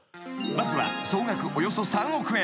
［まずは総額およそ３億円］